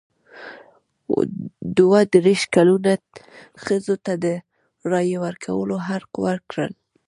دوه دیرش کلنو ښځو ته د رایې ورکولو حق ورکړ.